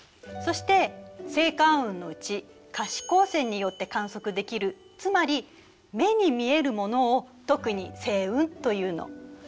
そして星間雲のうち可視光線によって観測できるつまり目に見えるものを特に星雲というの。